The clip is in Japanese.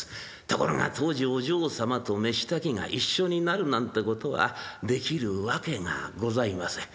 ところが当時お嬢様と飯炊きが一緒になるなんてことはできるわけがございません。